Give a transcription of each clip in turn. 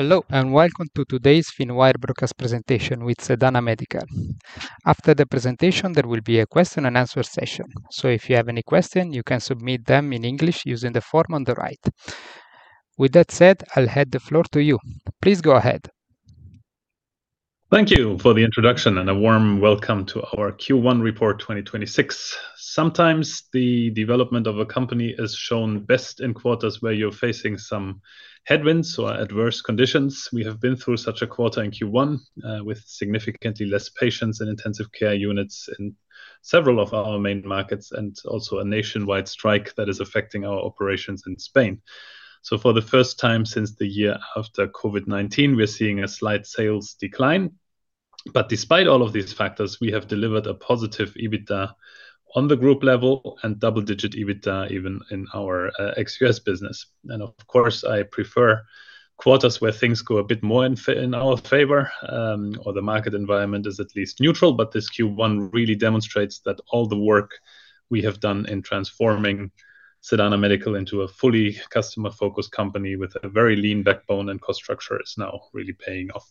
Hello, and Welcome to today's Finwire Broadcast Presentation with Sedana Medical. After the presentation, there will be a question-and-answer session. If you have any questions, you can submit them in English using the form on the right. With that said, I'll hand the floor to you. Please go ahead. Thank you for the introduction and a warm welcome to our Q1 report 2026. Sometimes the development of a company is shown best in quarters where you're facing some headwinds or adverse conditions. We have been through such a quarter in Q1, with significantly less patients in intensive care units in several of our main markets, and also a nationwide strike that is affecting our operations in Spain. For the first time since the year after COVID-19, we're seeing a slight sales decline. Despite all of these factors, we have delivered a positive EBITDA on the group level and double-digit EBITDA even in our ex-U.S. business. Of course, I prefer quarters where things go a bit more in our favor, or the market environment is at least neutral. This Q1 really demonstrates that all the work we have done in transforming Sedana Medical into a fully customer-focused company with a very lean backbone and cost structure is now really paying off.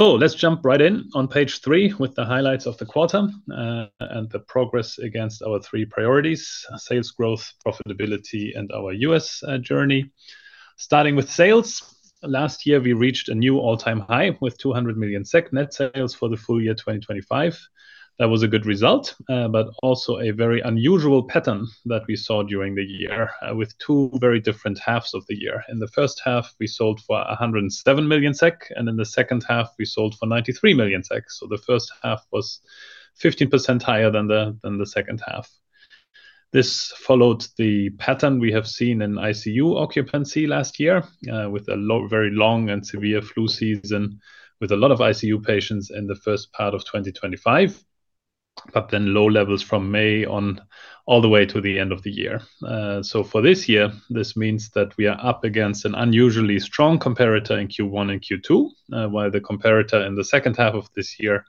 Let's jump right in on page 3 with the highlights of the quarter, and the progress against our three priorities, sales growth, profitability, and our U.S. journey. Starting with sales. Last year, we reached a new all-time high with 200 million SEK net sales for the full year 2025. That was a good result, but also a very unusual pattern that we saw during the year with two very different halves of the year. In the first half, we sold for 107 million SEK, and in the second half, we sold for 93 million SEK. The first half was 15% higher than the second half. This followed the pattern we have seen in ICU occupancy last year, with a very long and severe flu season with a lot of ICU patients in the first part of 2025, but then low levels from May on all the way to the end of the year. For this year, this means that we are up against an unusually strong comparator in Q1 and Q2, while the comparator in the second half of this year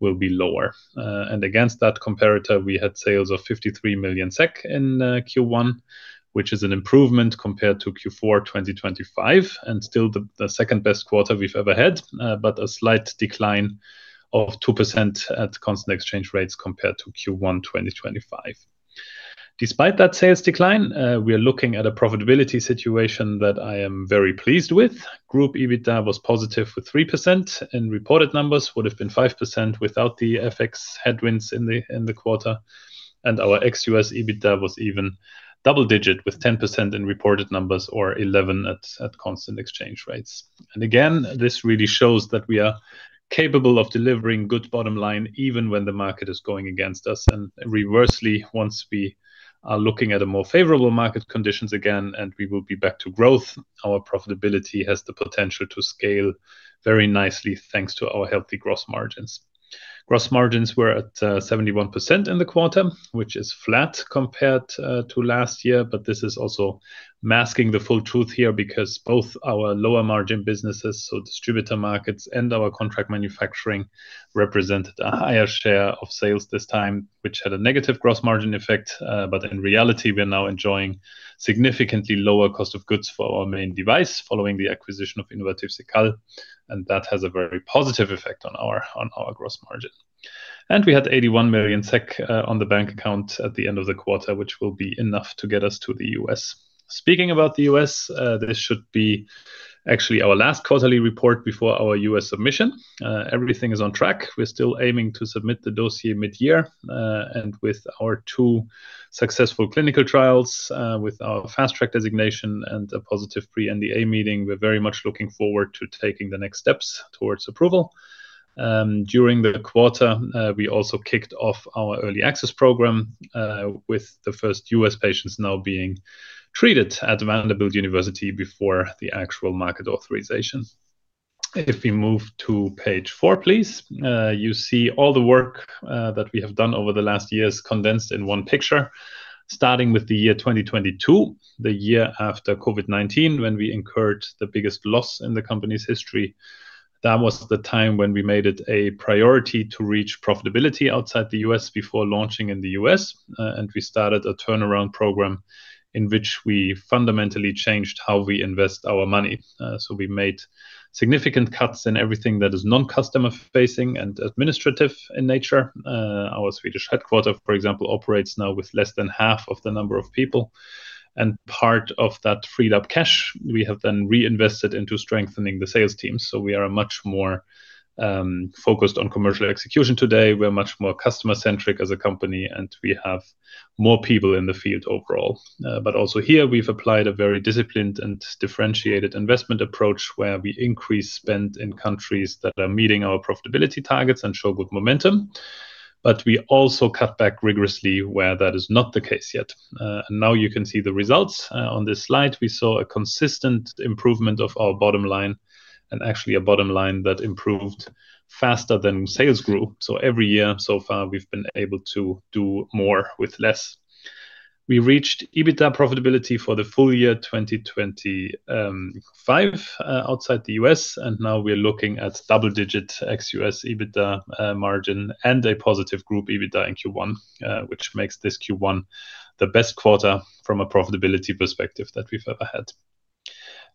will be lower. Against that comparator, we had sales of 53 million SEK in Q1, which is an improvement compared to Q4 2025, and still the second-best quarter we've ever had, but a slight decline of 2% at constant exchange rates compared to Q1 2025. Despite that sales decline, we are looking at a profitability situation that I am very pleased with. Group EBITDA was positive with 3%, and reported numbers would have been 5% without the FX headwinds in the quarter. Our ex-U.S. EBITDA was even double digit with 10% in reported numbers or 11% at constant exchange rates. Again, this really shows that we are capable of delivering good bottom line even when the market is going against us. Conversely, once we are looking at a more favorable market conditions again and we will be back to growth, our profitability has the potential to scale very nicely, thanks to our healthy gross margins. Gross margins were at 71% in the quarter, which is flat compared to last year, but this is also masking the full truth here because both our lower margin businesses, so distributor markets and our contract manufacturing, represented a higher share of sales this time, which had a negative gross margin effect. In reality, we are now enjoying significantly lower cost of goods for our main device following the acquisition of Innovatif Cekal, and that has a very positive effect on our gross margin. We had 81 million SEK on the bank account at the end of the quarter, which will be enough to get us to the U.S. Speaking about the U.S., this should be actually our last quarterly report before our U.S. submission. Everything is on track. We're still aiming to submit the dossier mid-year. With our two successful clinical trials, with our Fast Track designation and a positive pre-NDA meeting, we're very much looking forward to taking the next steps towards approval. During the quarter, we also kicked off our early access program, with the first U.S. patients now being treated at Vanderbilt University before the actual market authorization. If we move to page 4, please. You see all the work that we have done over the last years condensed in one picture. Starting with the year 2022, the year after COVID-19, when we incurred the biggest loss in the company's history. That was the time when we made it a priority to reach profitability outside the U.S. before launching in the U.S., and we started a turnaround program in which we fundamentally changed how we invest our money. We made significant cuts in everything that is non-customer facing and administrative in nature. Our Swedish headquarters, for example, operates now with less than half of the number of people. Part of that freed up cash we have then reinvested into strengthening the sales team. We are much more focused on commercial execution today. We're much more customer-centric as a company, and we have more people in the field overall. Also here we've applied a very disciplined and differentiated investment approach where we increase spend in countries that are meeting our profitability targets and show good momentum. We also cut back rigorously where that is not the case yet. Now you can see the results on this slide. We saw a consistent improvement of our bottom line and actually a bottom line that improved faster than sales grew. Every year so far, we've been able to do more with less. We reached EBITDA profitability for the full year 2025 outside the U.S., and now we're looking at double-digit ex-U.S. EBITDA margin and a positive group EBITDA in Q1, which makes this Q1 the best quarter from a profitability perspective that we've ever had.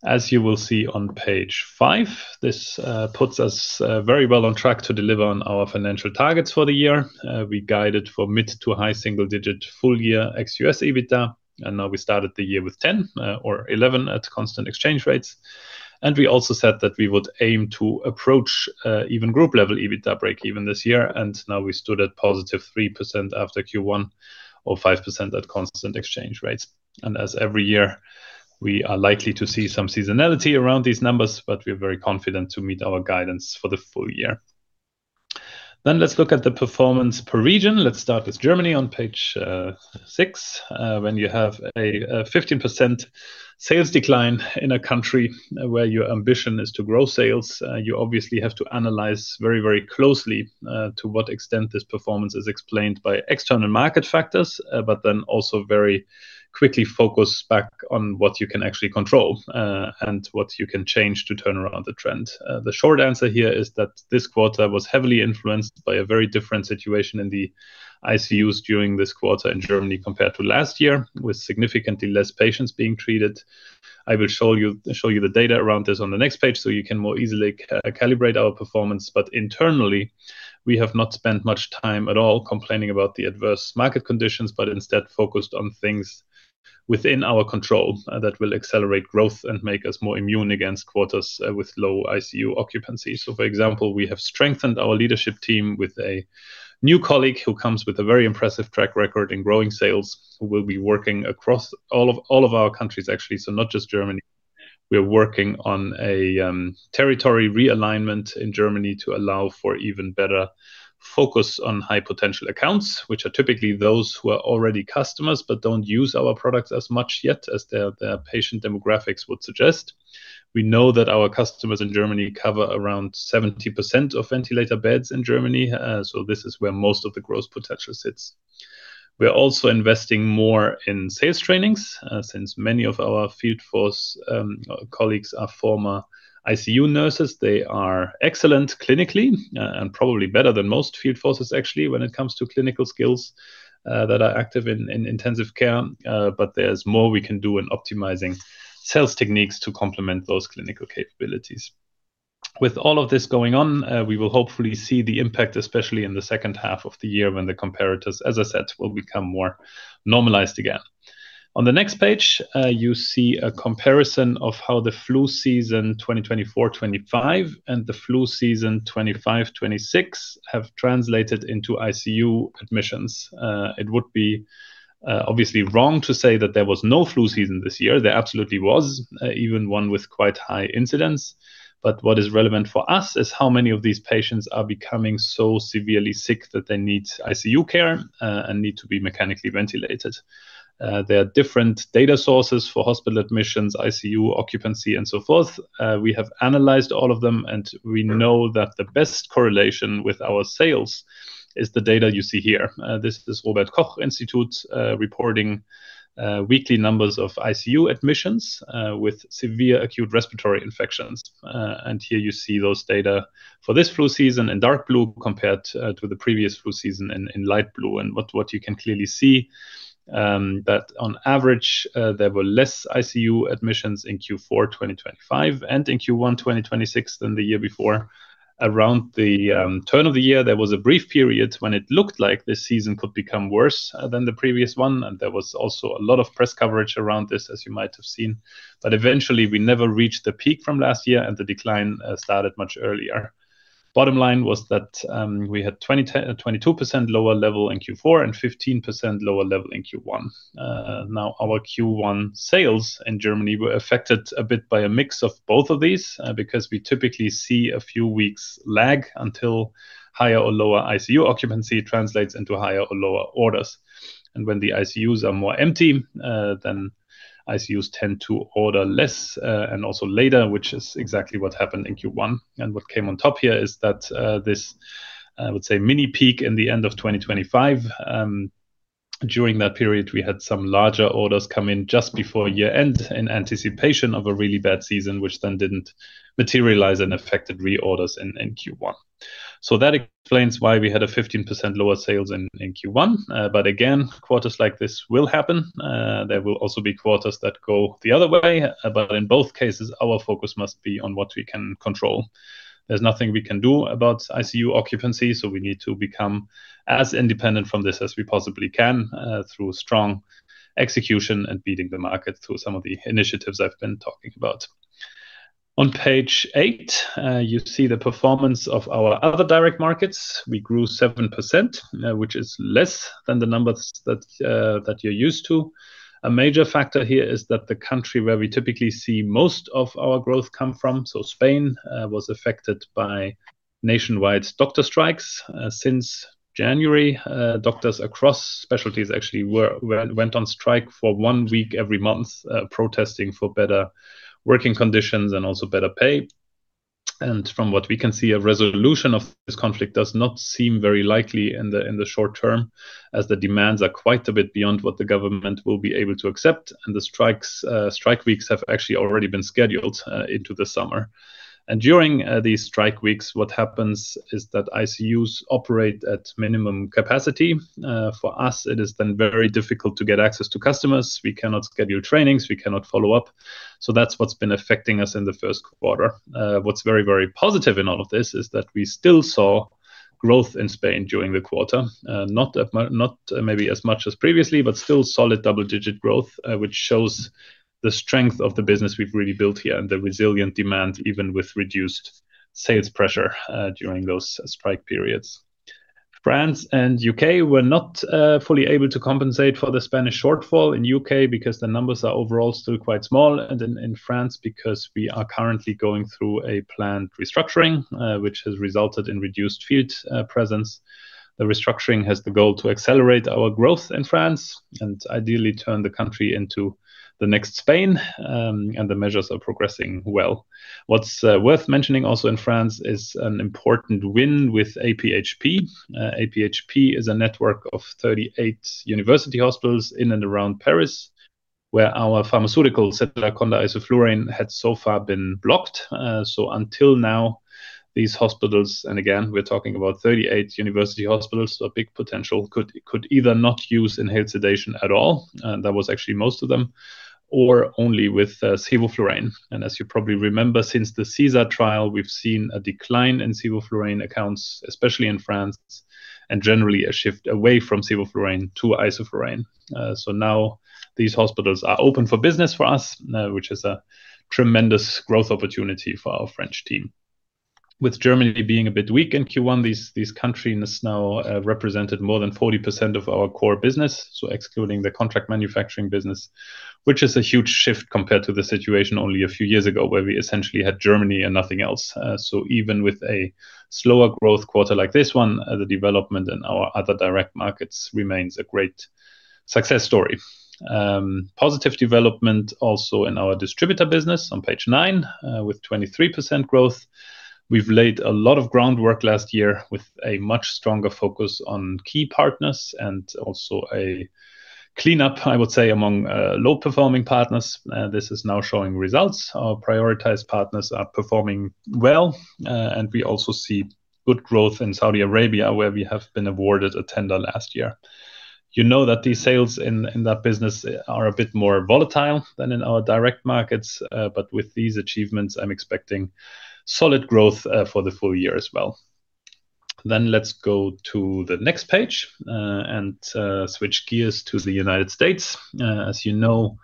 As you will see on page 5, this puts us very well on track to deliver on our financial targets for the year. We guided for mid- to high single-digit full-year ex-U.S. EBITDA, and now we started the year with 10 or 11 at constant exchange rates. We also said that we would aim to approach even group-level EBITDA breakeven this year, and now we stood at positive 3% after Q1, or 5% at constant exchange rates. As every year, we are likely to see some seasonality around these numbers, but we're very confident to meet our guidance for the full year. Let's look at the performance per region. Let's start with Germany on page 6. When you have a 15% sales decline in a country where your ambition is to grow sales, you obviously have to analyze very closely to what extent this performance is explained by external market factors, but then also very quickly focus back on what you can actually control, and what you can change to turn around the trend. The short answer here is that this quarter was heavily influenced by a very different situation in the ICUs during this quarter in Germany compared to last year, with significantly less patients being treated. I will show you the data around this on the next page so you can more easily calibrate our performance. Internally, we have not spent much time at all complaining about the adverse market conditions, but instead focused on things within our control that will accelerate growth and make us more immune against quarters with low ICU occupancy. For example, we have strengthened our leadership team with a new colleague who comes with a very impressive track record in growing sales, who will be working across all of our countries, actually. Not just Germany. We are working on a territory realignment in Germany to allow for even better focus on high potential accounts, which are typically those who are already customers but don't use our products as much yet as their patient demographics would suggest. We know that our customers in Germany cover around 70% of ventilator beds in Germany, so this is where most of the growth potential sits. We are also investing more in sales trainings, since many of our field force colleagues are former ICU nurses. They are excellent clinically, and probably better than most field forces actually when it comes to clinical skills that are active in intensive care. There's more we can do in optimizing sales techniques to complement those clinical capabilities. With all of this going on, we will hopefully see the impact, especially in the second half of the year, when the comparators, as I said, will become more normalized again. On the next page, you see a comparison of how the flu season 2024/2025 and the flu season 2025/2026 have translated into ICU admissions. It would be obviously wrong to say that there was no flu season this year. There absolutely was, even one with quite high incidence. What is relevant for us is how many of these patients are becoming so severely sick that they need ICU care and need to be mechanically ventilated. There are different data sources for hospital admissions, ICU occupancy, and so forth. We have analyzed all of them, and we know that the best correlation with our sales is the data you see here. This is Robert Koch Institute reporting weekly numbers of ICU admissions with severe acute respiratory infections. Here you see those data for this flu season in dark blue compared to the previous flu season in light blue. What you can clearly see that, on average, there were less ICU admissions in Q4 2025 and in Q1 2026 than the year before. Around the turn of the year, there was a brief period when it looked like this season could become worse than the previous one, and there was also a lot of press coverage around this, as you might have seen. Eventually, we never reached the peak from last year, and the decline started much earlier. Bottom line was that we had 22% lower level in Q4 and 15% lower level in Q1. Now our Q1 sales in Germany were affected a bit by a mix of both of these, because we typically see a few weeks lag until higher or lower ICU occupancy translates into higher or lower orders. When the ICUs are more empty, then ICUs tend to order less, and also later, which is exactly what happened in Q1. What came on top here is that this, I would say, mini peak in the end of 2025. During that period, we had some larger orders come in just before year-end in anticipation of a really bad season, which then didn't materialize and affected reorders in Q1. That explains why we had a 15% lower sales in Q1. Again, quarters like this will happen. There will also be quarters that go the other way. In both cases, our focus must be on what we can control. There's nothing we can do about ICU occupancy, so we need to become as independent from this as we possibly can through strong execution and beating the market through some of the initiatives I've been talking about. On page 8, you see the performance of our other direct markets. We grew 7%, which is less than the numbers that you're used to. A major factor here is that the country where we typically see most of our growth come from, so Spain, was affected by nationwide doctor strikes. Since January, doctors across specialties actually went on strike for one week every month, protesting for better working conditions and also better pay. From what we can see, a resolution of this conflict does not seem very likely in the short term, as the demands are quite a bit beyond what the government will be able to accept, and the strike weeks have actually already been scheduled into the summer. During these strike weeks, what happens is that ICUs operate at minimum capacity. For us, it is then very difficult to get access to customers. We cannot schedule trainings, we cannot follow up. That's what's been affecting us in the first quarter. What's very positive in all of this is that we still saw growth in Spain during the quarter. Not maybe as much as previously, but still solid double-digit growth, which shows the strength of the business we've really built here and the resilient demand, even with reduced sales pressure during those strike periods. France and U.K. were not fully able to compensate for the Spanish shortfall in U.K. because the numbers are overall still quite small, and in France because we are currently going through a planned restructuring, which has resulted in reduced field presence. The restructuring has the goal to accelerate our growth in France and ideally turn the country into the next Spain, and the measures are progressing well. What's worth mentioning also in France is an important win with AP-HP. AP-HP is a network of 38 university hospitals in and around Paris where our pharmaceutical, Sedaconda isoflurane, had so far been blocked. Until now, these hospitals, and again, we're talking about 38 university hospitals, so big potential could either not use inhaled sedation at all, and that was actually most of them, or only with sevoflurane. As you probably remember, since the CESAR trial, we've seen a decline in sevoflurane accounts, especially in France, and generally a shift away from sevoflurane to isoflurane. Now these hospitals are open for business for us, which is a tremendous growth opportunity for our French team. With Germany being a bit weak in Q1, these countries now represented more than 40% of our core business, so excluding the contract manufacturing business, which is a huge shift compared to the situation only a few years ago where we essentially had Germany and nothing else. Even with a slower growth quarter like this one, the development in our other direct markets remains a great success story. Positive development also in our distributor business on page 9 with 23% growth. We've laid a lot of groundwork last year with a much stronger focus on key partners and also a cleanup, I would say, among low-performing partners. This is now showing results. Our prioritized partners are performing well. We also see good growth in Saudi Arabia where we have been awarded a tender last year. You know that the sales in that business are a bit more volatile than in our direct markets. With these achievements, I'm expecting solid growth for the full year as well. Let's go to the next page and switch gears to the United States. As you know,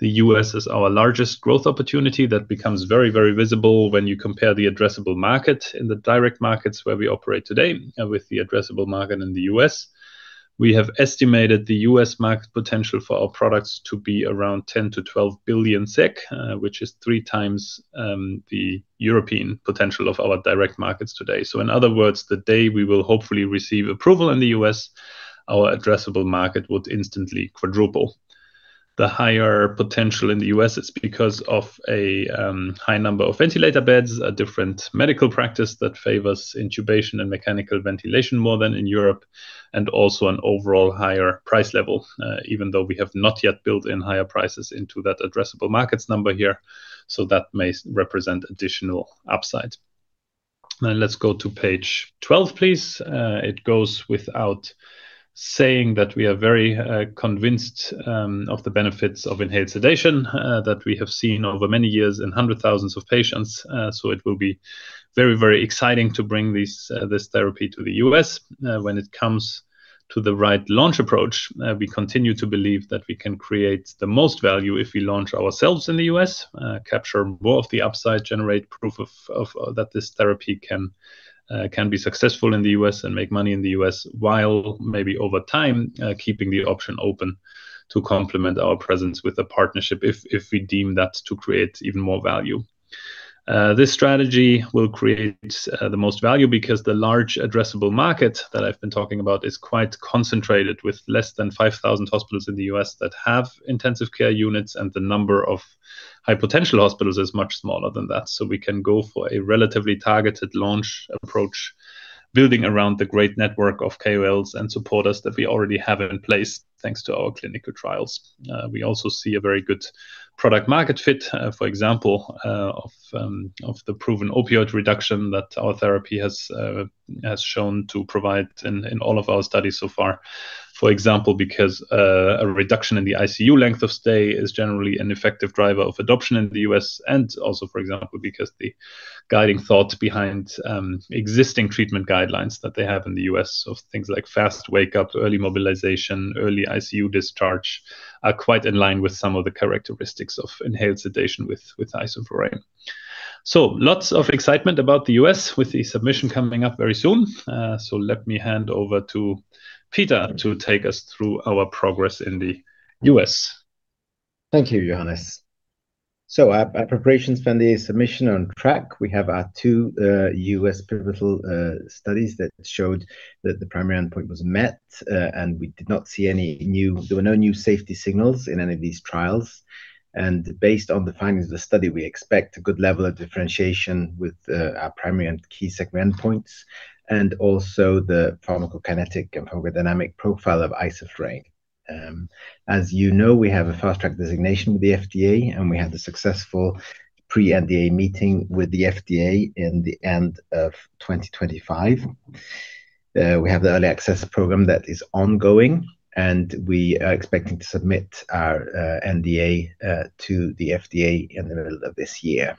the U.S. is our largest growth opportunity. That becomes very visible when you compare the addressable market in the direct markets where we operate today with the addressable market in the U.S. We have estimated the U.S. market potential for our products to be around 10 billion-12 billion SEK, which is three times the European potential of our direct markets today. In other words, the day we will hopefully receive approval in the U.S., our addressable market would instantly quadruple. The higher potential in the U.S. is because of a high number of ventilator beds, a different medical practice that favors intubation and mechanical ventilation more than in Europe, and also an overall higher price level, even though we have not yet built in higher prices into that addressable markets number here. That may represent additional upside. Let's go to page 12, please. It goes without saying that we are very convinced of the benefits of inhaled sedation that we have seen over many years in hundreds of thousands of patients. It will be very exciting to bring this therapy to the U.S. When it comes to the right launch approach, we continue to believe that we can create the most value if we launch ourselves in the U.S., capture more of the upside, generate proof that this therapy can be successful in the U.S. and make money in the U.S. while maybe over time keeping the option open to complement our presence with a partnership if we deem that to create even more value. This strategy will create the most value because the large addressable market that I've been talking about is quite concentrated with less than 5,000 hospitals in the U.S. that have intensive care units, and the number of high-potential hospitals is much smaller than that. We can go for a relatively targeted launch approach, building around the great network of KOLs and supporters that we already have in place thanks to our clinical trials. We also see a very good product market fit, for example, of the proven opioid reduction that our therapy has shown to provide in all of our studies so far. For example, because a reduction in the ICU length of stay is generally an effective driver of adoption in the U.S., and also, for example, because the guiding thought behind existing treatment guidelines that they have in the U.S. of things like fast wake up, early mobilization, early ICU discharge are quite in line with some of the characteristics of inhaled sedation with isoflurane. Lots of excitement about the U.S. with the submission coming up very soon. Let me hand over to Peter to take us through our progress in the U.S. Thank you, Johannes. Our preparations for the submission are on track. We have our two U.S. pivotal studies that showed that the primary endpoint was met. There were no new safety signals in any of these trials. Based on the findings of the study, we expect a good level of differentiation with our primary and key segment endpoints, and also the pharmacokinetic and pharmacodynamic profile of isoflurane. As you know, we have a Fast Track designation with the FDA, and we had a successful pre-NDA meeting with the FDA in the end of 2025. We have the Early Access Program that is ongoing, and we are expecting to submit our NDA to the FDA in the middle of this year.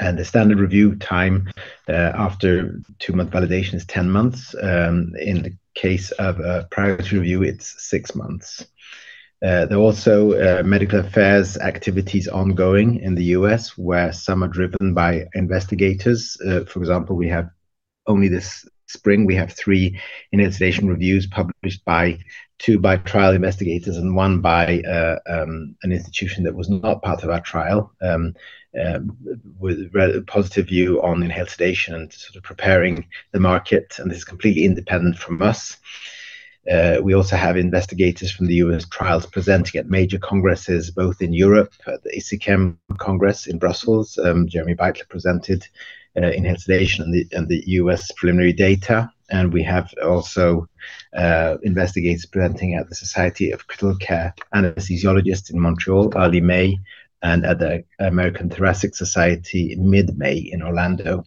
The standard review time after two-month validation is 10 months. In the case of a priority review, it's 6 months. There are also medical affairs activities ongoing in the U.S. where some are driven by investigators. For example, only this spring, we have three inhaled sedation reviews published, two by trial investigators and one by an institution that was not part of our trial, with a positive view on inhaled sedation and preparing the market, and is completely independent from us. We also have investigators from the U.S. trials presenting at major congresses both in Europe at the ESICM Congress in Brussels. Jeremy Beitler presented inhaled sedation and the U.S. preliminary data. We have also investigators presenting at the Society of Critical Care Anesthesiologists in Montreal, early May, and at the American Thoracic Society in mid-May in Orlando.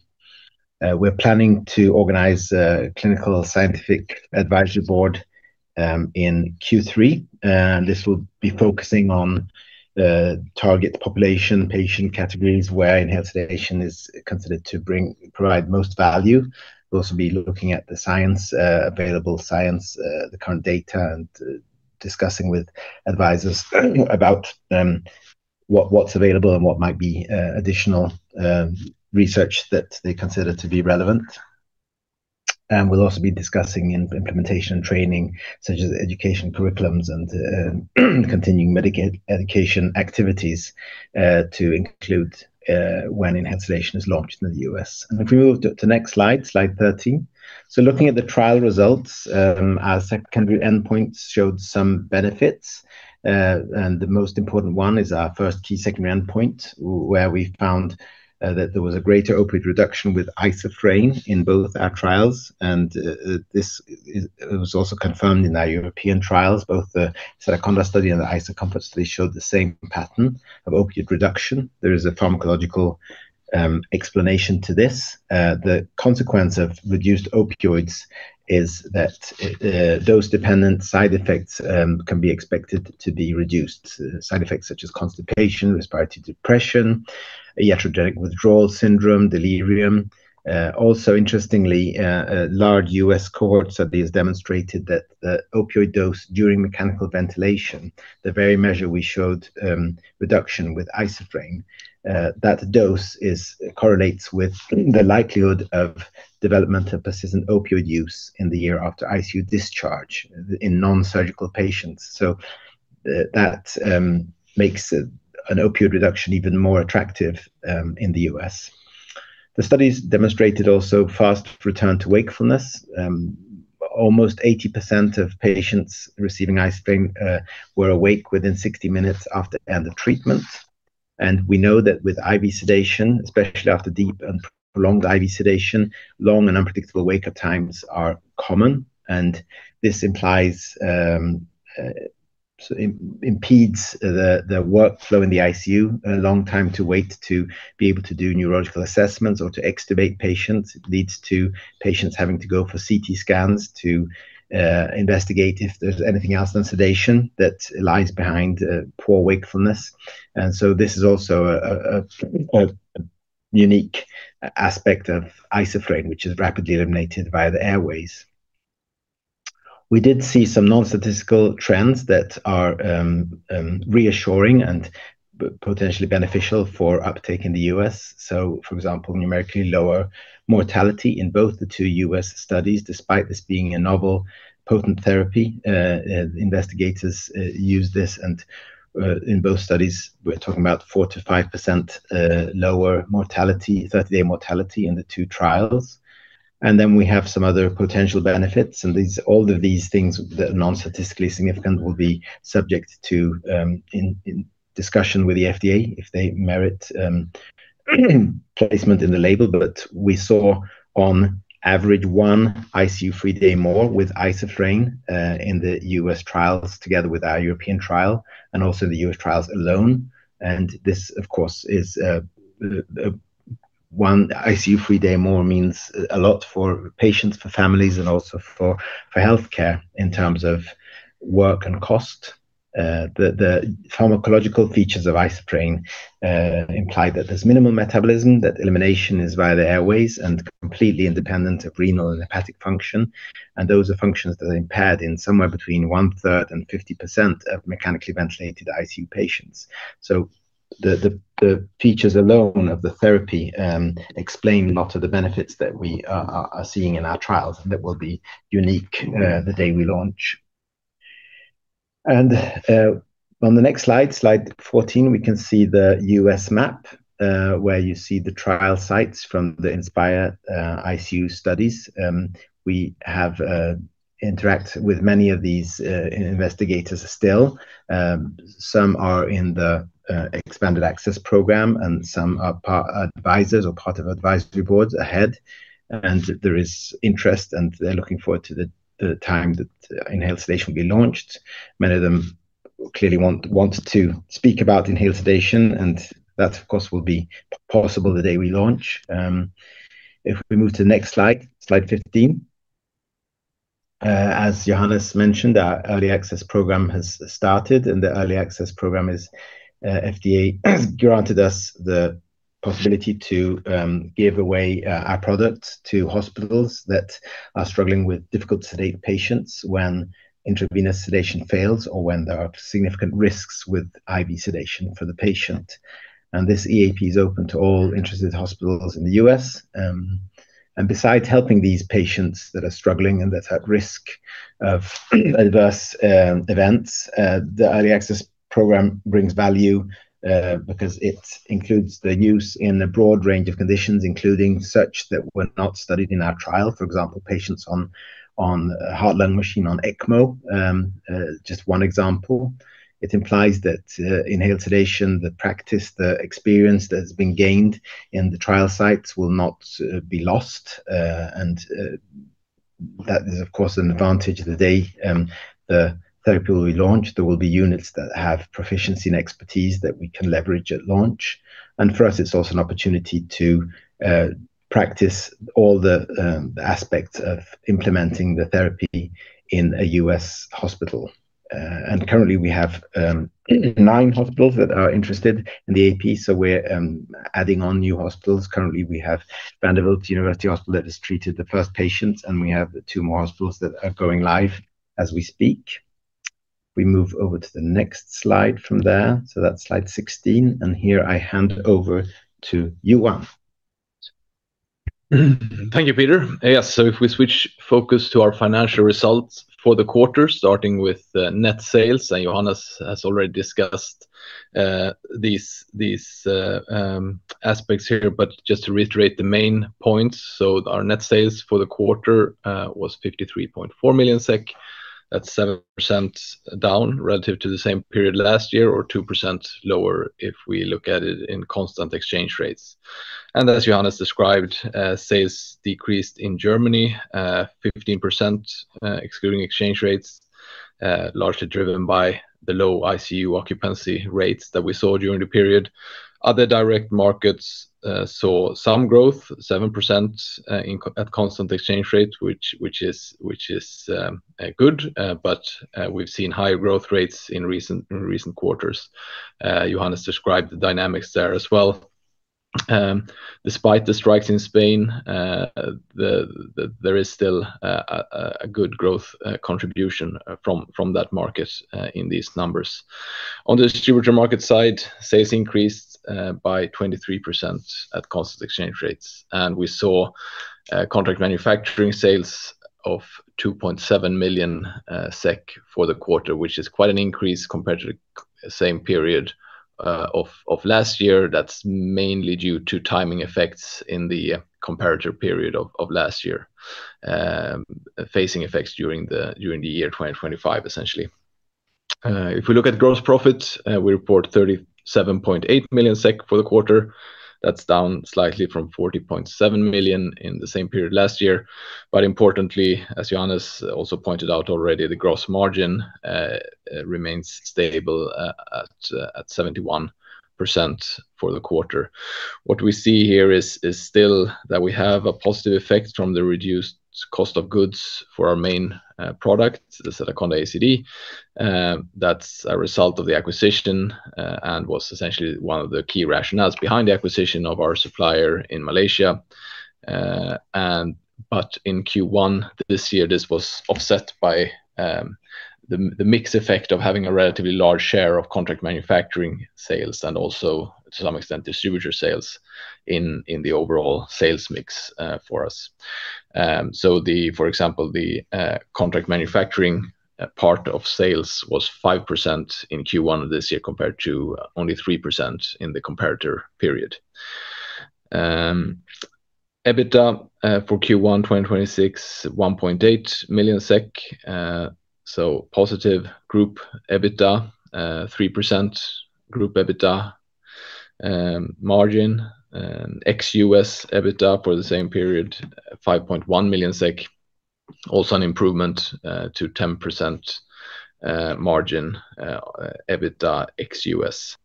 We're planning to organize a clinical scientific advisory board in Q3, and this will be focusing on the target population, patient categories where inhaled sedation is considered to provide most value. We'll also be looking at the available science, the current data, and discussing with advisors about what's available and what might be additional research that they consider to be relevant. We'll also be discussing implementation training, such as education curriculums and continuing medical education activities to include when inhaled sedation is launched in the U.S. If we move to the next slide 13. Looking at the trial results, our secondary endpoints showed some benefits. The most important one is our first key secondary endpoint, where we found that there was a greater opioid reduction with isoflurane in both our trials, and this was also confirmed in our European trials. Both the Sedaconda study and the IsoCOMFORT study showed the same pattern of opioid reduction. There is a pharmacological explanation to this. The consequence of reduced opioids is that those dependent side effects, such as constipation, respiratory depression, iatrogenic withdrawal syndrome, delirium, can be expected to be reduced. Interestingly, a large U.S. cohort study has demonstrated that the opioid dose during mechanical ventilation, the very measure we showed reduction with isoflurane, that dose correlates with the likelihood of development of persistent opioid use in the year after ICU discharge in nonsurgical patients. That makes an opioid reduction even more attractive in the U.S. The studies demonstrated also fast return to wakefulness. Almost 80% of patients receiving isoflurane were awake within 60 minutes after end of treatment. We know that with IV sedation, especially after deep and prolonged IV sedation, long and unpredictable wake-up times are common, and this impedes the workflow in the ICU, a long time to wait to be able to do neurological assessments or to extubate patients. It leads to patients having to go for CT scans to investigate if there's anything else than sedation that lies behind poor wakefulness. This is also a unique aspect of isoflurane, which is rapidly eliminated via the airways. We did see some non-statistical trends that are reassuring and potentially beneficial for uptake in the U.S. For example, numerically lower mortality in both the two U.S. studies, despite this being a novel potent therapy. Investigators use this, and in both studies, we're talking about 4%-5% lower 30-day mortality in the two trials. We have some other potential benefits. All of these things that are non-statistically significant will be subject to discussion with the FDA if they merit placement in the label. We saw on average one ICU-free day more with isoflurane in the U.S. trials together with our European trial, and also the U.S. trials alone. This, of course, is one ICU-free day more means a lot for patients, for families, and also for healthcare in terms of work and cost. The pharmacological features of isoflurane imply that there's minimum metabolism, that elimination is via the airways and completely independent of renal and hepatic function, and those are functions that are impaired in somewhere between one-third and 50% of mechanically ventilated ICU patients. The features alone of the therapy explain a lot of the benefits that we are seeing in our trials that will be unique the day we launch. On the next slide 14, we can see the U.S. map, where you see the trial sites from the INSPiRE-ICU studies. We have interacted with many of these investigators still. Some are in the Expanded Access Program and some are part of advisory boards already. There is interest, and they're looking forward to the time that inhaled sedation will be launched. Many of them clearly want to speak about inhaled sedation, and that, of course, will be possible the day we launch. If we move to the next slide 15. As Johannes mentioned, our Early Access Program has started, and the Early Access Program is FDA has granted us the possibility to give away our product to hospitals that are struggling with difficult sedated patients when intravenous sedation fails or when there are significant risks with IV sedation for the patient. This EAP is open to all interested hospitals in the U.S. Besides helping these patients that are struggling and that are at risk of adverse events, the early access program brings value because it includes the use in a broad range of conditions, including such that were not studied in our trial. For example, patients on heart-lung machine, on ECMO, just one example. It implies that inhaled sedation, the practice, the experience that has been gained in the trial sites will not be lost. That is, of course, an advantage. The day the therapy will be launched, there will be units that have proficiency and expertise that we can leverage at launch. For us, it's also an opportunity to practice all the aspects of implementing the therapy in a U.S. hospital. Currently we have nine hospitals that are interested in the EAP. We're adding on new hospitals. Currently, we have Vanderbilt University Medical Center that has treated the first patients, and we have two more hospitals that are going live as we speak. We move over to the next slide from there. That's slide 16, and here I hand over to Johan. Thank you, Peter. Yes. If we switch focus to our financial results for the quarter, starting with net sales, and Johannes has already discussed these aspects here. Just to reiterate the main points. Our net sales for the quarter was 53.4 million SEK. That's 7% down relative to the same period last year, or 2% lower if we look at it in constant exchange rates. As Johannes described, sales decreased in Germany, 15% excluding exchange rates, largely driven by the low ICU occupancy rates that we saw during the period. Other direct markets saw some growth, 7% at constant exchange rates, which is good. We've seen higher growth rates in recent quarters. Johannes described the dynamics there as well. Despite the strikes in Spain, there is still a good growth contribution from that market in these numbers. On the distributor market side, sales increased by 23% at constant exchange rates. We saw contract manufacturing sales of 2.7 million SEK for the quarter, which is quite an increase compared to the same period of last year. That's mainly due to timing effects in the comparator period of last year, facing effects during the year 2025, essentially. If we look at gross profit, we report 37.8 million SEK for the quarter. That's down slightly from 40.7 million in the same period last year. Importantly, as Johannes also pointed out already, the gross margin remains stable at 71% for the quarter. What we see here is still that we have a positive effect from the reduced cost of goods for our main product, the Sedaconda ACD. That's a result of the acquisition and was essentially one of the key rationales behind the acquisition of our supplier in Malaysia. In Q1 this year, this was offset by the mix effect of having a relatively large share of contract manufacturing sales and also to some extent distributor sales in the overall sales mix for us. For example, the contract manufacturing part of sales was 5% in Q1 of this year, compared to only 3% in the comparator period. EBITDA for Q1 2026, 1.8 million SEK. Positive group EBITDA, 3% group EBITDA margin. Ex-US EBITDA for the same period, 5.1 million SEK. Also an improvement to 10% margin EBITDA ex-US.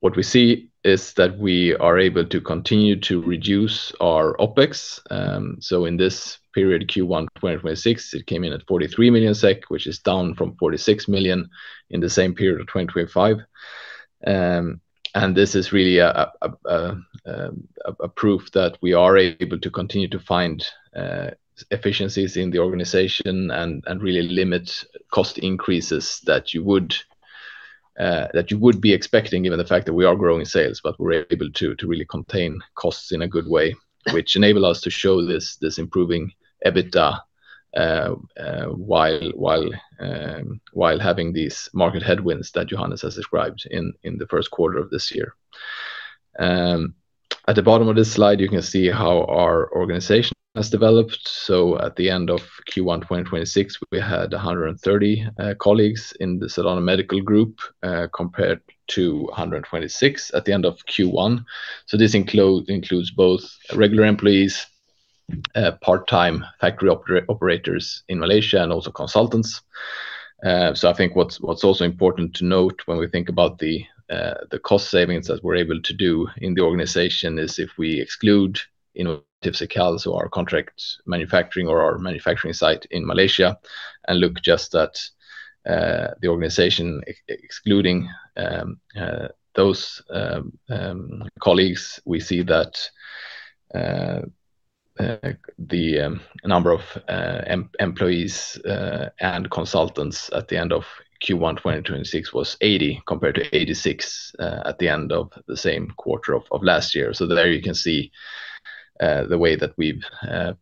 What we see is that we are able to continue to reduce our OpEx. In this period, Q1 2026, it came in at 43 million SEK, which is down from 46 million in the same period of 2025. This is really a proof that we are able to continue to find efficiencies in the organization and really limit cost increases that you would be expecting, given the fact that we are growing sales, but we're able to really contain costs in a good way, which enable us to show this improving EBITDA while having these market headwinds that Johannes has described in the first quarter of this year. At the bottom of this slide, you can see how our organization has developed. At the end of Q1 2026, we had 130 colleagues in the Sedana Medical group, compared to 126 at the end of Q1. This includes both regular employees, part-time factory operators in Malaysia, and also consultants. I think what's also important to note when we think about the cost savings that we're able to do in the organization is if we exclude Innovatif's accounts or our contract manufacturing or our manufacturing site in Malaysia and look just at the organization excluding those colleagues, we see that the number of employees and consultants at the end of Q1 2026 was 80 compared to 86 at the end of the same quarter of last year. There you can see the way that we've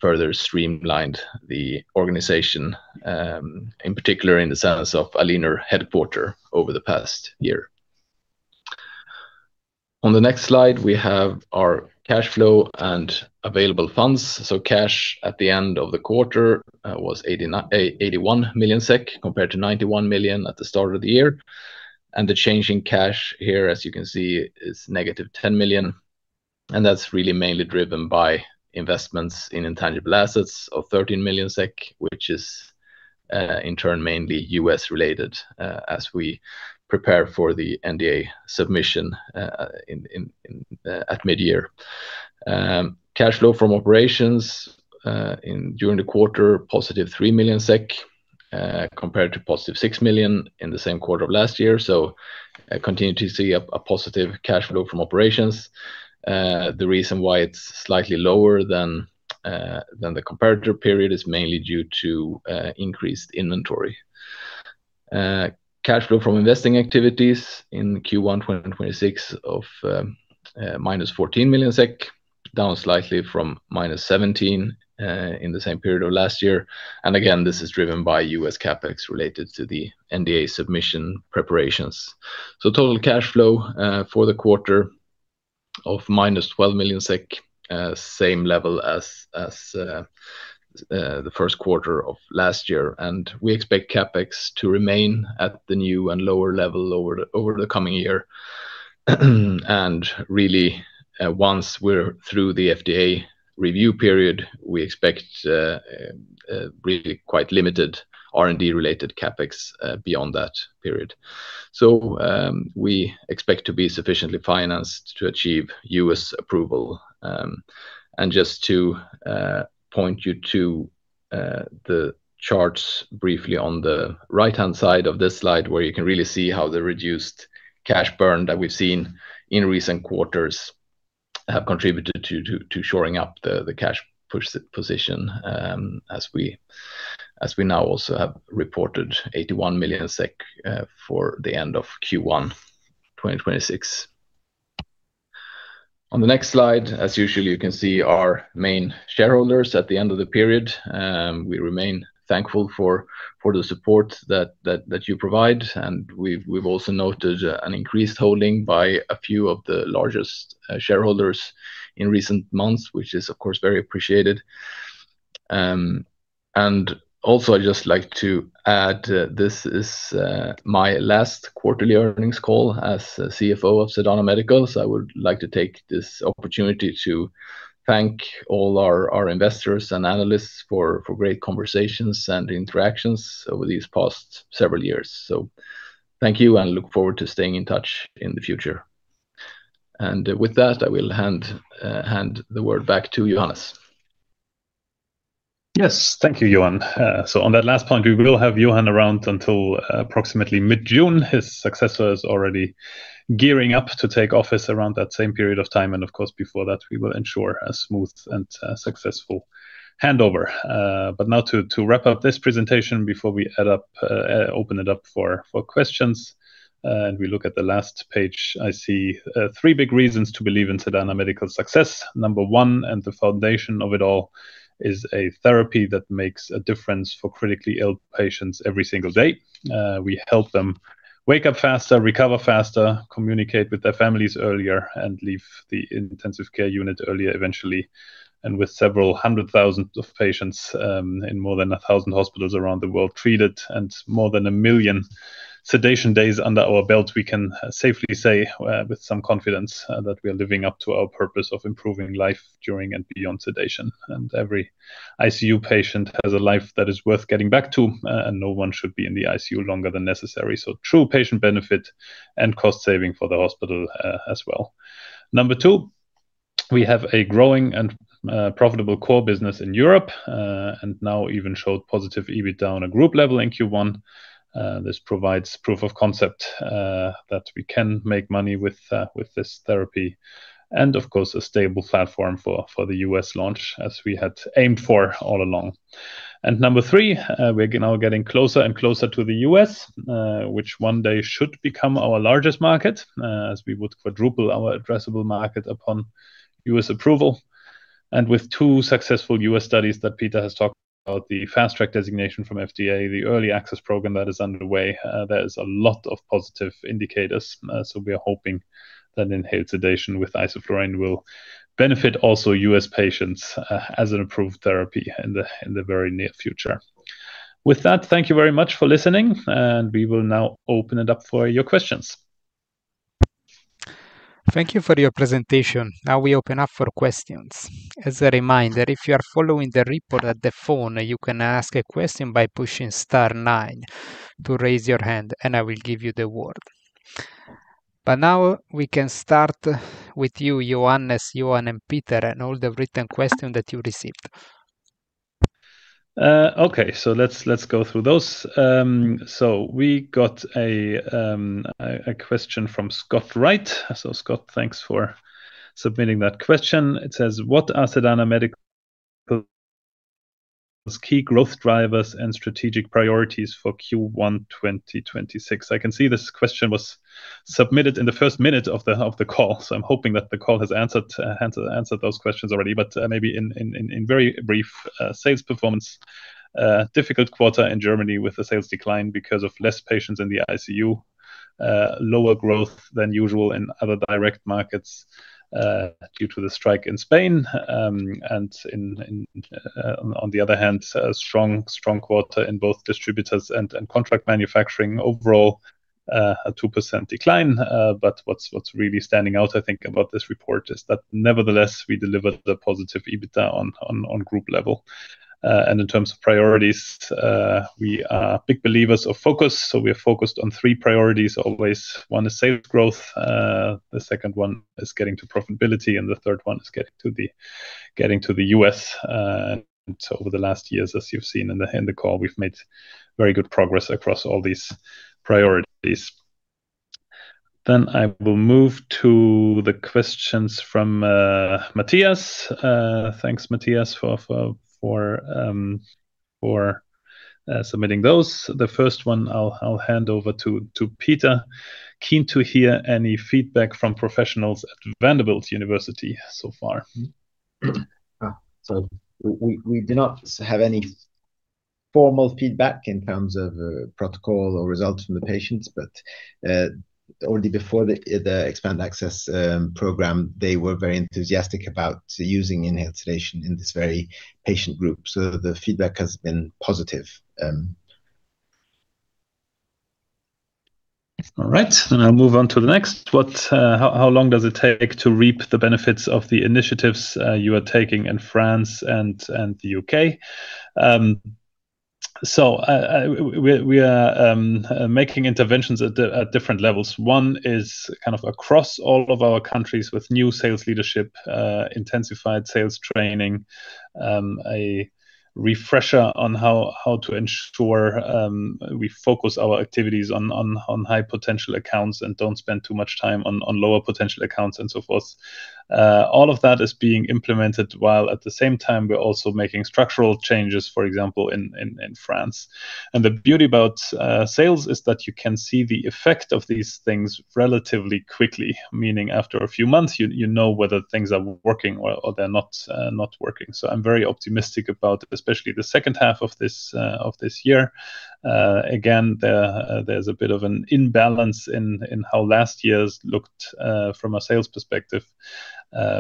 further streamlined the organization, in particular in the sense of a leaner headquarters over the past year. On the next slide, we have our cash flow and available funds. Cash at the end of the quarter was 81 million SEK compared to 91 million at the start of the year. The change in cash here, as you can see, is -10 million, and that's really mainly driven by investments in intangible assets of 13 million SEK, which is, in turn, mainly U.S.-related as we prepare for the NDA submission at mid-year. Cash flow from operations during the quarter was +3 million SEK compared to +6 million in the same quarter of last year. Continue to see a positive cash flow from operations. The reason why it's slightly lower than the comparator period is mainly due to increased inventory. Cash flow from investing activities in Q1 2026 was -14 million SEK, down slightly from -17 million in the same period of last year. Again, this is driven by U.S. CapEx related to the NDA submission preparations. Total cash flow for the quarter was -12 million SEK, same level as the first quarter of last year. We expect CapEx to remain at the new and lower level over the coming year. Really, once we're through the FDA review period, we expect really quite limited R&D-related CapEx beyond that period. We expect to be sufficiently financed to achieve U.S. approval. Just to point you to the charts briefly on the right-hand side of this slide, where you can really see how the reduced cash burn that we've seen in recent quarters have contributed to shoring up the cash position as we now also have reported 81 million SEK for the end of Q1 2026. On the next slide, as usual, you can see our main shareholders at the end of the period. We remain thankful for the support that you provide, and we've also noted an increased holding by a few of the largest shareholders in recent months, which is, of course, very appreciated. I'd just like to add, this is my last quarterly earnings call as CFO of Sedana Medical. I would like to take this opportunity to thank all our investors and analysts for great conversations and interactions over these past several years. Thank you, and look forward to staying in touch in the future. With that, I will hand the word back to Johannes. Yes. Thank you, Johan. On that last point, we will have Johan around until approximately mid-June. His successor is already gearing up to take office around that same period of time. Of course, before that, we will ensure a smooth and successful handover. Now to wrap up this presentation before we open it up for questions, and we look at the last page. I see three big reasons to believe in Sedana Medical's success. Number one, and the foundation of it all, is a therapy that makes a difference for critically ill patients every single day. We help them wake up faster, recover faster, communicate with their families earlier, and leave the intensive care unit earlier eventually. With several hundred thousand of patients in more than 1,000 hospitals around the world treated and more than a million sedation days under our belt, we can safely say with some confidence that we are living up to our purpose of improving life during and beyond sedation. Every ICU patient has a life that is worth getting back to, and no one should be in the ICU longer than necessary. True patient benefit and cost saving for the hospital as well. Number two, we have a growing and profitable core business in Europe, and now even showed positive EBITDA on a group level in Q1. This provides proof of concept that we can make money with this therapy. Of course, a stable platform for the U.S. launch as we had aimed for all along. Number 3, we are now getting closer and closer to the U.S., which one day should become our largest market, as we would quadruple our addressable market upon U.S. approval. With 2 successful U.S. studies that Peter has talked about, the Fast Track designation from FDA, the Early Access Program that is underway, there is a lot of positive indicators. We are hoping that inhaled sedation with isoflurane will benefit also U.S. patients as an approved therapy in the very near future. With that, thank you very much for listening, and we will now open it up for your questions. Thank you for your presentation. Now we open up for questions. As a reminder, if you are following the report on the phone, you can ask a question by pushing star nine to raise your hand, and I will give you the word. Now we can start with you, Johannes, Johan, and Peter, and all the written question that you received. Okay. Let's go through those. We got a question from Scott Wright. Scott, thanks for submitting that question. It says, "What are Sedana Medical's key growth drivers and strategic priorities for Q1 2026?" I can see this question was submitted in the first minute of the call, so I'm hoping that the call has answered those questions already. Maybe in very brief, sales performance, difficult quarter in Germany with a sales decline because of less patients in the ICU, lower growth than usual in other direct markets due to the strike in Spain. On the other hand, strong quarter in both distributors and contract manufacturing. Overall, a 2% decline. What's really standing out, I think, about this report is that nevertheless, we delivered a positive EBITDA on group level. In terms of priorities, we are big believers of focus, so we are focused on three priorities always. One is sales growth, the second one is getting to profitability, and the third one is getting to the U.S. Over the last years, as you've seen in the call, we've made very good progress across all these priorities. I will move to the questions from Mattias. Thanks, Mattias, for submitting those. The first one I'll hand over to Peter. "Keen to hear any feedback from professionals at Vanderbilt University so far. We do not have any formal feedback in terms of protocol or results from the patients. Already before the expanded access program, they were very enthusiastic about using inhaled sedation in this very patient group. The feedback has been positive. All right. I'll move on to the next. "How long does it take to reap the benefits of the initiatives you are taking in France and the U.K.?" We are making interventions at different levels. One is kind of across all of our countries with new sales leadership, intensified sales training, a refresher on how to ensure we focus our activities on high potential accounts and don't spend too much time on lower potential accounts and so forth. All of that is being implemented, while at the same time, we're also making structural changes, for example, in France. The beauty about sales is that you can see the effect of these things relatively quickly, meaning after a few months, you know whether things are working or they're not working. I'm very optimistic about especially the second half of this year. Again, there's a bit of an imbalance in how last year's looked from a sales perspective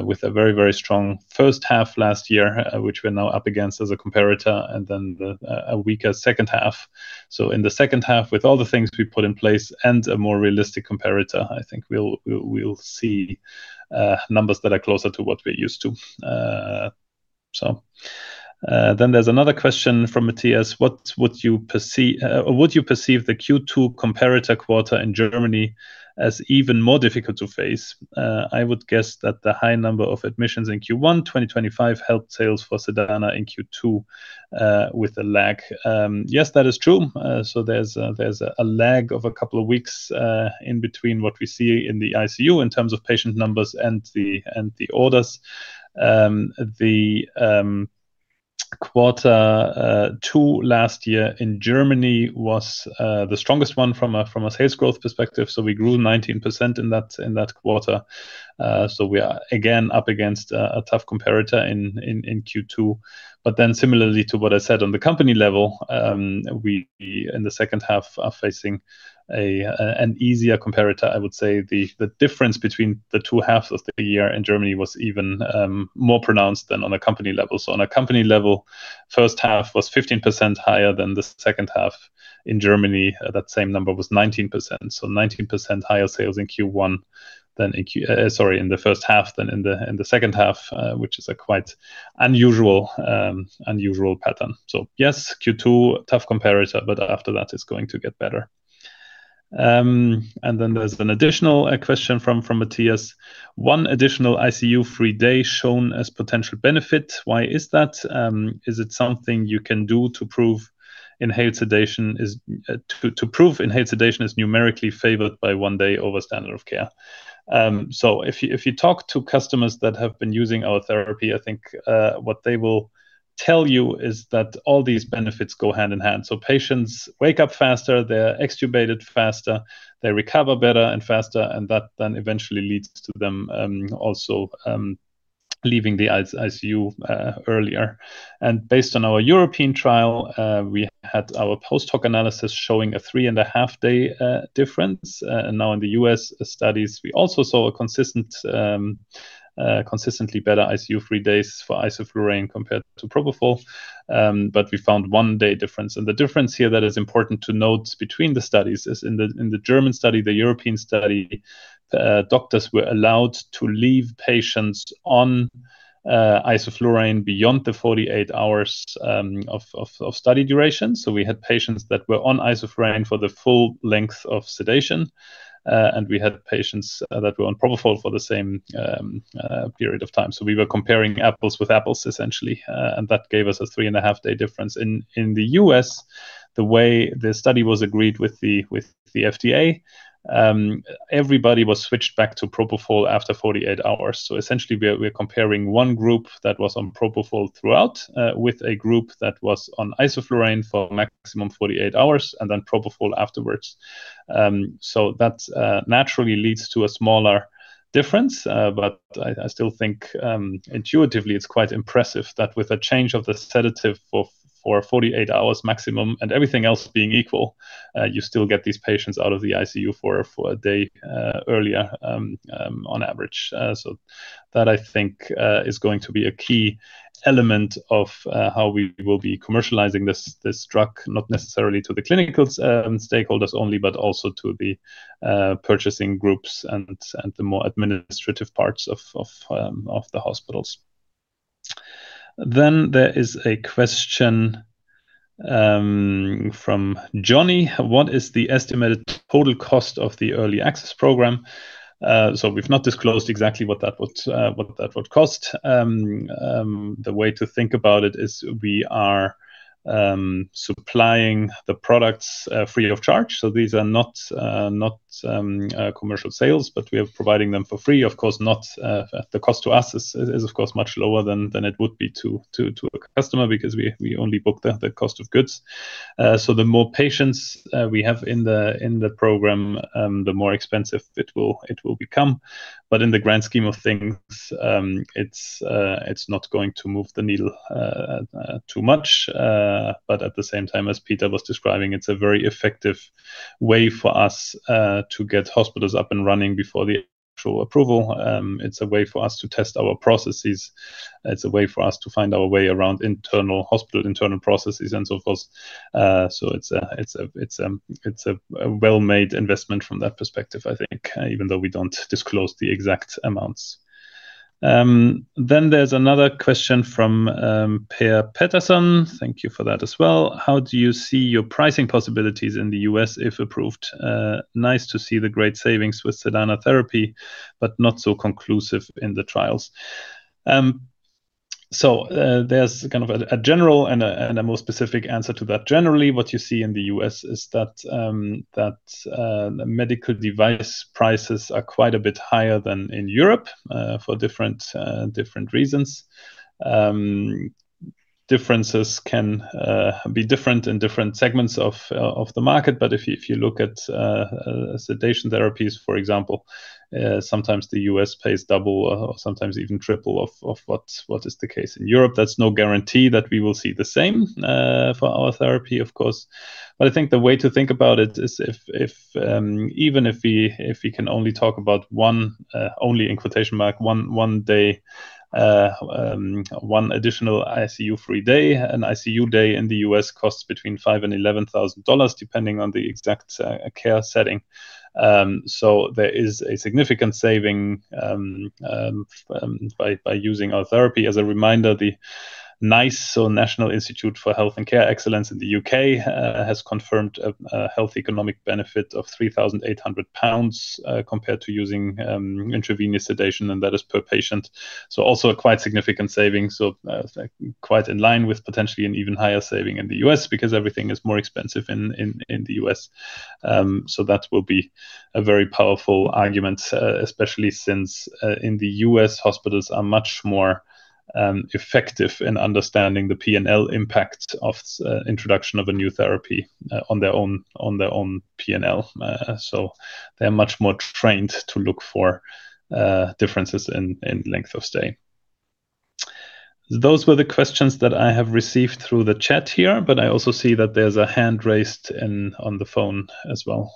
with a very strong first half last year, which we're now up against as a comparator, and then a weaker second half. In the second half, with all the things we put in place and a more realistic comparator, I think we'll see numbers that are closer to what we're used to. There's another question from Mattias. "Would you perceive the Q2 comparator quarter in Germany as even more difficult to face? I would guess that the high number of admissions in Q1 2025 helped sales for Sedana in Q2 with a lag." Yes, that is true. There's a lag of a couple of weeks in between what we see in the ICU in terms of patient numbers and the orders. The quarter two last year in Germany was the strongest one from a sales growth perspective. We grew 19% in that quarter. We are again up against a tough comparator in Q2. Similarly to what I said on the company level, we, in the second half, are facing an easier comparator. I would say the difference between the two halves of the year in Germany was even more pronounced than on a company level. On a company level, first half was 15% higher than the second half. In Germany, that same number was 19%. 19% higher sales in the first half than in the second half, which is a quite unusual pattern. Yes, Q2, tough comparator, but after that it's going to get better. There's an additional question from Mattias. "One additional ICU-free day shown as potential benefit. Why is that? Is it something you can do to prove inhaled sedation is numerically favored by one day over standard of care?" If you talk to customers that have been using our therapy, I think, what they will tell you is that all these benefits go hand in hand. Patients wake up faster, they're extubated faster, they recover better and faster, and that then eventually leads to them also leaving the ICU earlier. Based on our European trial, we had our post-hoc analysis showing a 3.5-day difference. Now in the US studies, we also saw consistently better ICU-free days for isoflurane compared to propofol, but we found one day difference. The difference here that is important to note between the studies is in the German study, the European study, the doctors were allowed to leave patients on isoflurane beyond the 48 hours of study duration. We had patients that were on isoflurane for the full length of sedation. We had patients that were on propofol for the same period of time. We were comparing apples with apples essentially, and that gave us a 3.5-day difference. In the U.S., the way the study was agreed with the FDA, everybody was switched back to propofol after 48 hours. Essentially we are comparing one group that was on propofol throughout, with a group that was on isoflurane for maximum 48 hours, and then propofol afterwards. That naturally leads to a smaller difference, but I still think intuitively it's quite impressive that with a change of the sedative for 48 hours maximum and everything else being equal, you still get these patients out of the ICU for a day earlier, on average. That I think is going to be a key element of how we will be commercializing this drug, not necessarily to the clinical stakeholders only, but also to the purchasing groups and the more administrative parts of the hospitals. There is a question from Johnny, "What is the estimated total cost of the early access program?" We've not disclosed exactly what that would cost. The way to think about it is we are supplying the products free of charge. These are not commercial sales, but we are providing them for free. Of course, the cost to us is much lower than it would be to a customer because we only book the cost of goods. The more patients we have in the program, the more expensive it will become. In the grand scheme of things, it's not going to move the needle too much. At the same time, as Peter was describing, it's a very effective way for us to get hospitals up and running before the actual approval. It's a way for us to test our processes. It's a way for us to find our way around hospital internal processes and so forth. It's a well-made investment from that perspective, I think, even though we don't disclose the exact amounts. There's another question from Per Pettersson. Thank you for that as well. "How do you see your pricing possibilities in the U.S. if approved? Nice to see the great savings with Sedana therapy, but not so conclusive in the trials." There's kind of a general and a more specific answer to that. Generally, what you see in the U.S. is that medical device prices are quite a bit higher than in Europe, for different reasons. Differences can be different in different segments of the market. But if you look at sedation therapies, for example, sometimes the U.S. pays double or sometimes even triple of what is the case in Europe. That's no guarantee that we will see the same for our therapy, of course. But I think the way to think about it is even if we can only talk about one, only in quotation mark, one additional ICU-free day. An ICU day in the U.S. costs between $5,000-$11,000, depending on the exact care setting. There is a significant saving by using our therapy. As a reminder, the NICE, so National Institute for Health and Care Excellence in the U.K., has confirmed a health economic benefit of 3,800 pounds, compared to using intravenous sedation, and that is per patient. Also a quite significant saving. Quite in line with potentially an even higher saving in the U.S. because everything is more expensive in the U.S. That will be a very powerful argument, especially since in the U.S., hospitals are much more effective in understanding the P&L impact of introduction of a new therapy on their own P&L. They're much more trained to look for differences in length of stay. Those were the questions that I have received through the chat here, but I also see that there's a hand raised on the phone as well.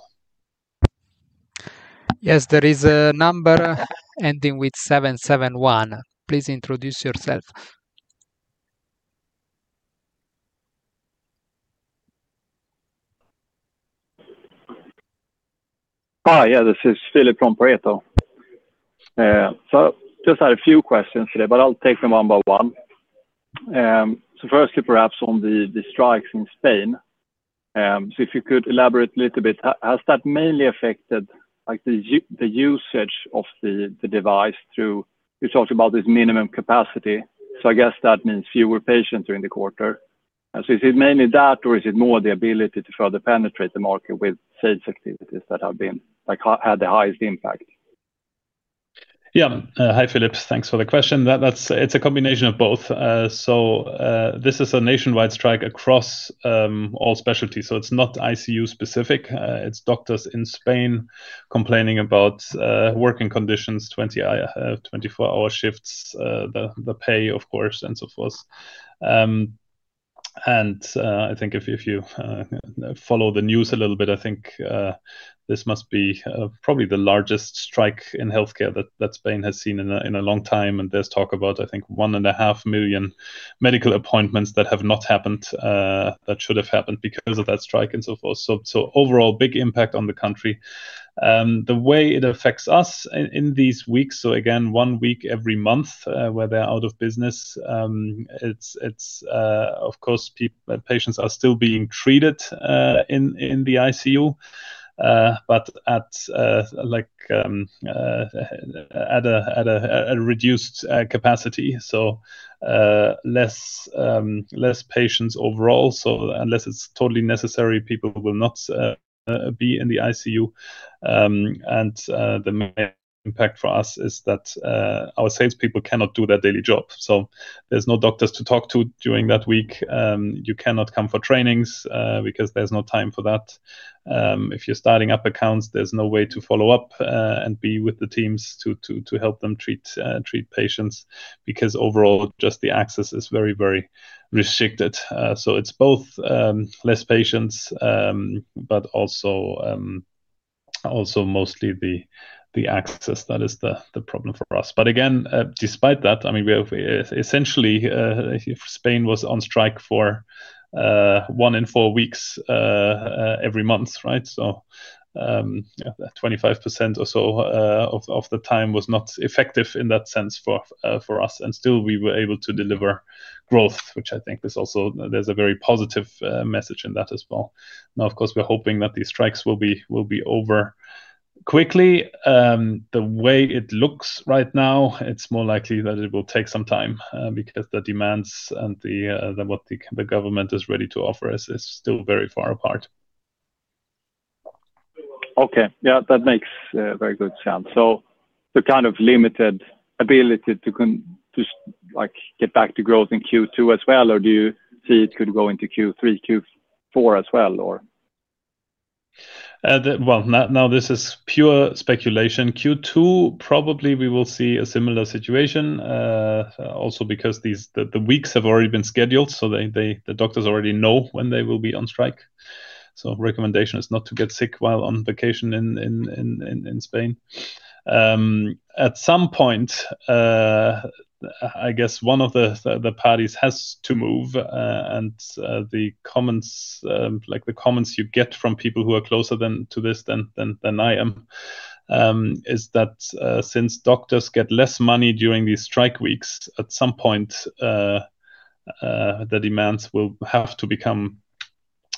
Yes, there is a number ending with 771. Please introduce yourself. Hi, yeah, this is Philip from Pareto. Just had a few questions today, but I'll take them one by one. Firstly, perhaps on the strikes in Spain. If you could elaborate a little bit, has that mainly affected the usage of the device through. You talked about this minimum capacity, so I guess that means fewer patients during the quarter. Is it mainly that, or is it more the ability to further penetrate the market with sales activities that have had the highest impact? Yeah. Hi Philip. Thanks for the question. It's a combination of both. This is a nationwide strike across all specialties, so it's not ICU specific. It's doctors in Spain complaining about working conditions, 24-hour shifts, the pay, of course, and so forth. I think if you follow the news a little bit, I think this must be probably the largest strike in healthcare that Spain has seen in a long time. There's talk about, I think, 1.5 million medical appointments that have not happened that should have happened because of that strike and so forth. Overall, big impact on the country. The way it affects us in these weeks, so again, one week every month where they're out of business, of course, patients are still being treated in the ICU, but at a reduced capacity, so less patients overall. Unless it's totally necessary, people will not be in the ICU. The main impact for us is that our salespeople cannot do their daily job. There's no doctors to talk to during that week. You cannot come for trainings because there's no time for that. If you're starting up accounts, there's no way to follow up and be with the teams to help them treat patients because overall, just the access is very, very restricted. It's both less patients but also mostly the access that is the problem for us. Again, despite that, essentially, if Spain was on strike for one in four weeks every month, 25% or so of the time was not effective in that sense for us, and still we were able to deliver growth, which I think there's a very positive message in that as well. Now, of course, we're hoping that these strikes will be over quickly. The way it looks right now, it's more likely that it will take some time because the demands and what the government is ready to offer us is still very far apart. Okay. Yeah, that makes very good sense. The kind of limited ability to get back to growth in Q2 as well, or do you see it could go into Q3, Q4 as well or? Well, now this is pure speculation. Q2, probably we will see a similar situation, also because the weeks have already been scheduled, so the doctors already know when they will be on strike. Recommendation is not to get sick while on vacation in Spain. At some point, I guess one of the parties has to move, and the comments you get from people who are closer to this than I am, is that since doctors get less money during these strike weeks, at some point, the demands will have to become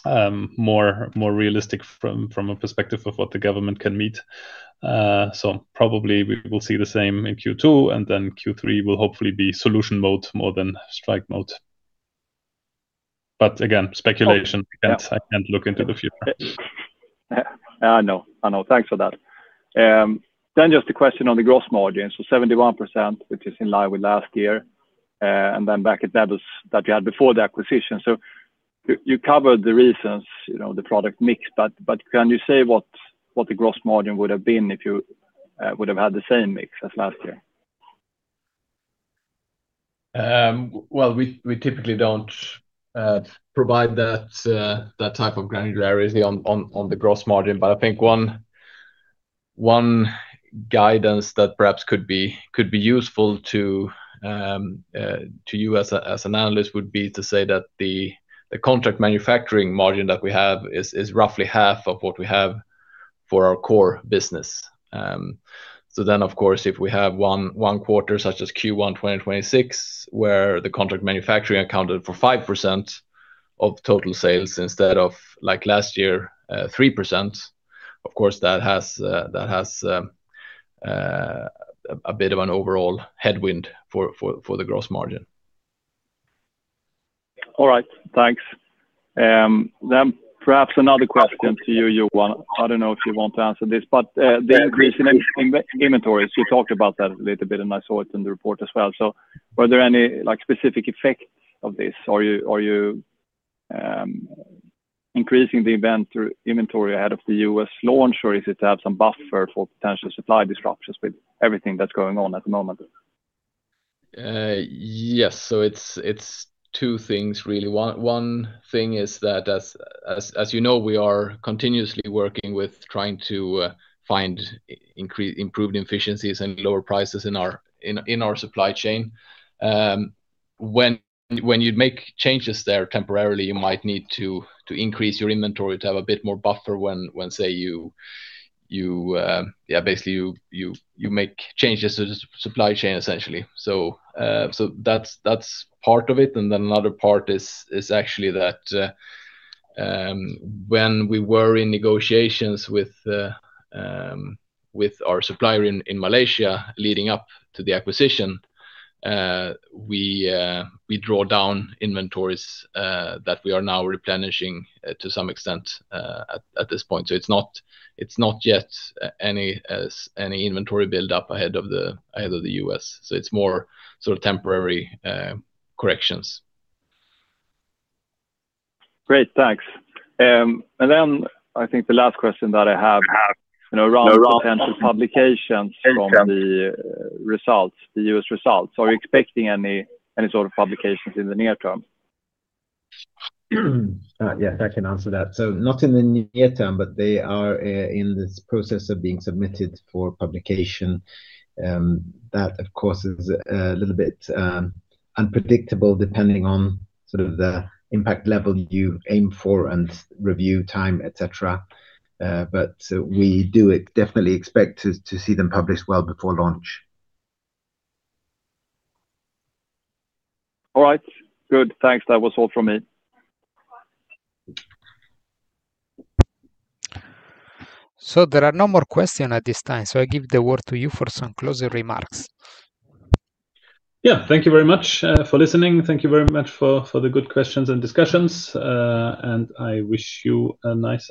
more realistic from a perspective of what the government can meet. Probably we will see the same in Q2, and then Q3 will hopefully be solution mode more than strike mode. Again, speculation, because I can't look into the future. I know. Thanks for that. Just a question on the gross margin. 71%, which is in line with last year, and then back at levels that you had before the acquisition. You covered the reasons, the product mix, but can you say what the gross margin would have been if you would have had the same mix as last year? Well, we typically don't provide that type of granularity on the gross margin. I think one guidance that perhaps could be useful to you as an analyst would be to say that the contract manufacturing margin that we have is roughly half of what we have for our core business. Of course, if we have one quarter, such as Q1 2026, where the contract manufacturing accounted for 5% of total sales instead of last year, 3%, of course, that has a bit of an overall headwind for the gross margin. All right. Thanks. Perhaps another question to you, Johan. I don't know if you want to answer this, but the increase in inventories, you talked about that a little bit, and I saw it in the report as well. Were there any specific effects of this? Are you increasing the inventory ahead of the U.S. launch, or is it to have some buffer for potential supply disruptions with everything that's going on at the moment? Yes. It's two things, really. One thing is that, as you know, we are continuously working with trying to find improved efficiencies and lower prices in our supply chain. When you make changes there temporarily, you might need to increase your inventory to have a bit more buffer when, say, basically, you make changes to the supply chain, essentially. That's part of it. Then another part is actually that when we were in negotiations with our supplier in Malaysia leading up to the acquisition, we draw down inventories that we are now replenishing to some extent at this point. It's not yet any inventory build-up ahead of the US. It's more sort of temporary corrections. Great, thanks. I think the last question that I have around potential publications from the results, the U.S. results. Are you expecting any sort of publications in the near term? Yeah, I can answer that. Not in the near term, but they are in this process of being submitted for publication. That, of course, is a little bit unpredictable, depending on sort of the impact level you aim for and review time, et cetera. We do definitely expect to see them published well before launch. All right, good. Thanks. That was all from me. There are no more questions at this time. I give the word to you for some closing remarks. Yeah. Thank you very much for listening. Thank you very much for the good questions and discussions, and I wish you a nice